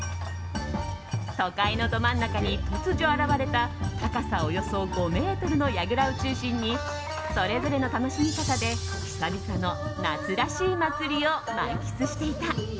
都会のど真ん中に突如現れた高さおよそ５ｍのやぐらを中心にそれぞれの楽しみ方で久々の夏らしい祭りを満喫していた。